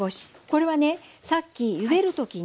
これはねさっきゆでる時に使った。